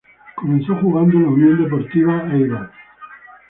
Comenzó jugando en la Unión Deportiva Eibar.